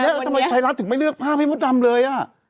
แล้วทำไมไทยรัฐถึงไม่เลือกภาพให้มดดำเลย